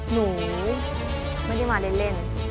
หนูไม่ได้มาเล่น